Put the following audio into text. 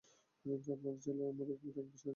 আপনারা চাইলে আমার উকিল থাকবে সাহায্যের জন্য।